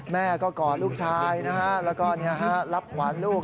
แม่ก็กอดลูกชายนะฮะแล้วก็รับขวานลูก